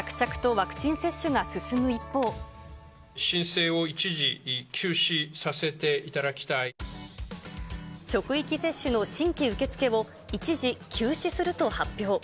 申請を一時休止させていただ職域接種の新規受け付けを、一時休止すると発表。